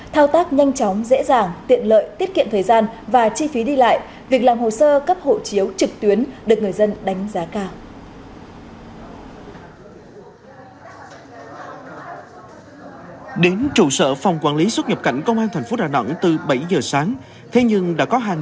thao tác nhanh chóng dễ dàng tiện lợi tiết kiệm thời gian và chi phí đi lại việc làm hồ sơ cấp hộ chiếu trực tuyến được người dân đánh giá cao